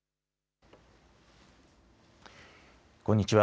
こんにちは。